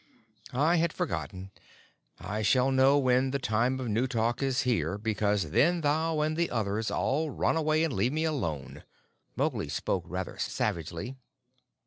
"I had forgotten. I shall know when the Time of New Talk is here, because then thou and the others all run away and leave me alone." Mowgli spoke rather savagely.